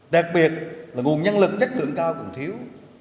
đặc biệt là nguồn nhân lực chất lượng cao còn thiếu